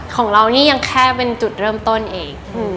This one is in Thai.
ของเรานี่ยังแค่เป็นจุดเริ่มต้นอีก